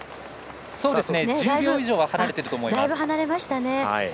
１０秒以上離れていると思います。